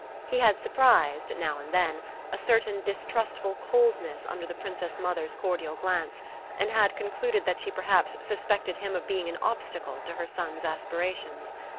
He had surprised, now and then, a certain distrustful coldness under the Princess Mother's cordial glance, and had concluded that she perhaps suspected him of being an obstacle to her son's aspirations.